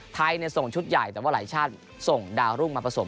ไทยส่งชุดใหญ่แต่ว่าหลายชาติส่งดาวรุ่งมาผสม